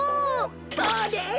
そうです。